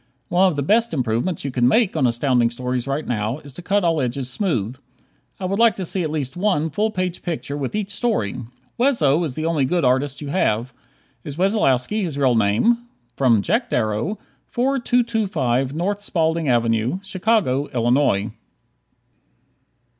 One of the best improvements you could make on Astounding Stories right now is to cut all edges smooth. I would like to see at least one full page picture with each story. Wesso is the only good artist you have. Is Wessolowski his real name? Jack Darrow, 4225 N. Spaulding Avenue, Chicago, Illinois.